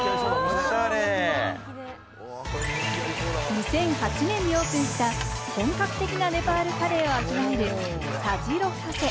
２００８年にオープンした本格的なネパールカレーを味わえるサジロカフェ。